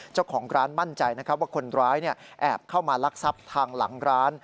เจ้าของร้านมั่นใจนะครับว่าคนร้ายแอบเข้ามาลักทรัพย์ทางหลังร้าน